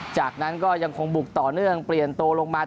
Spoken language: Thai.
จากนั้นก็ยังคงบุกต่อเนื่อง